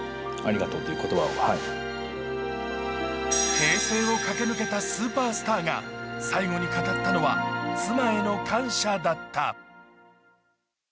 平成を駆け抜けたスーパースターが最後に語ったのは妻への感謝だった。